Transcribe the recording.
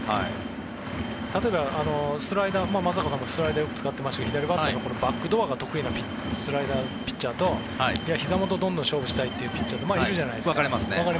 例えばスライダー松坂さんもスライダーをよく使っていましたが左バッターがバックドアが得意なピッチャーとひざ元、どんどん勝負したいピッチャーっているじゃないですか。